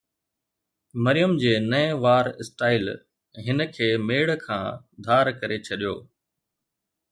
مريم جي نئين وار اسٽائل هن کي ميڙ کان ڌار ڪري ڇڏيو.